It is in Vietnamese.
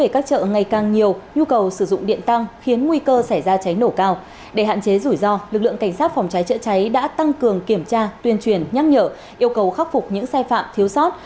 các đối tượng đã sử dụng xe ô tô thùng kiểm tra tuyên truyền nhắc nhở yêu cầu khắc phục những sai phạm thiếu sót